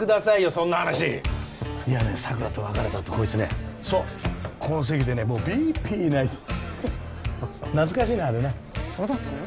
そんな話いやね佐久良と別れたあとこいつねそうこの席でねもうビービー泣いて懐かしいなあれなそうだったの？